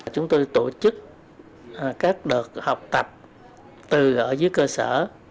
chúng tôi tổ chức các đợt học tập từ ở dưới cơ sở